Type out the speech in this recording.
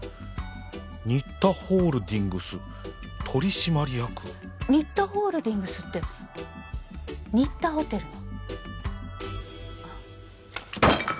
新田ホールディングス取締役新田ホールディングスって新田ホテルの？